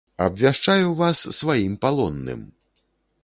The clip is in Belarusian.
Абвяшчаю вас сваім палонным!